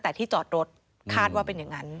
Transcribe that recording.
ถึงจอดรถคาดว่าเป็นยังงั้น